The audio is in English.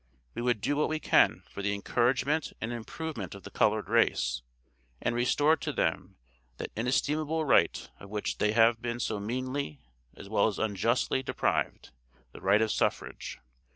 We would do what we can for the encouragement and improvement of the colored race, and restore to them that inestimable right of which they have been so meanly, as well as unjustly, deprived, the RIGHT OF SUFFRAGE.